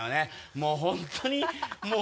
もう本当にもう。